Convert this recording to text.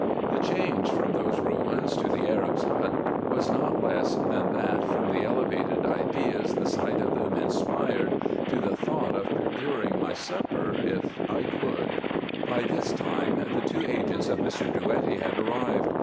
The change from those ruins to the Arab's hut was not less than that from the elevated ideas the sight of them inspired, to the thought of procuring my supper, if I could. x 154 RESEARCHES AND OPERATIONS By this time the two agents of Mr. Drouetti had arrived.